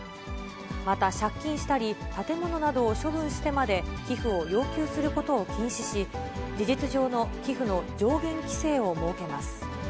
また、借金したり、建物などを処分してまで寄付を要求することを禁止し、事実上の寄付の上限規制を設けます。